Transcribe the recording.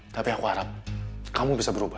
tapi aku harap kamu bisa berubah